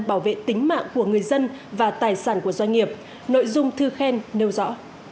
bảo vệ tính mạng của người dân và tài sản của doanh nghiệp nội dung thư khen nêu rõ